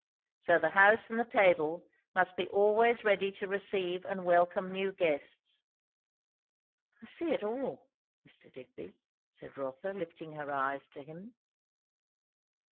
So the house and the table must be always ready to receive and welcome new guests." "I see it all, Mr. Digby," said Rotha, lifting her eyes to him.